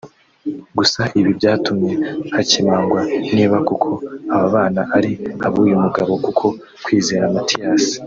Gusa ibi byatumye hakemangwa niba koko aba bana ari ab’uyu mugabo kuko Kwizera Mathias